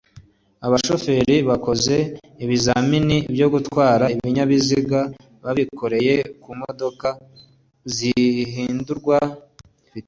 Aba bashoferi bakoze ibizamini byo gutwara ibinyabiziga babikoreye ku modoka zihindurirwa vitensi hifashishijwe intoki (manuel)